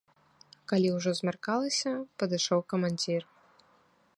Калі ўжо змяркалася, падышоў камандзір.